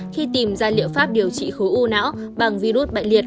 khi tìm ra liệu pháp điều trị khối u não bằng virus bệnh liệt